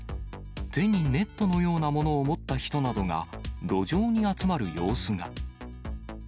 手にネットのようなものを持った人などが路上に集まる様子が。